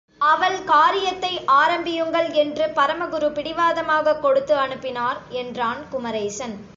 அவள் காரியத்தை ஆரம்பியுங்கள் என்று பரமகுரு பிடிவாதமாகக் கொடுத்து அனுப்பினார், என்றான் குமரேசன்.